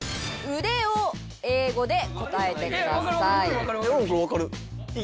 「腕」を英語で答えてください。